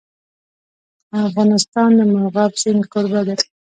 افغانستان د مورغاب سیند کوربه دی.